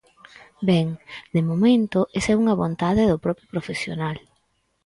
Ben, de momento, esa é unha vontade do propio profesional.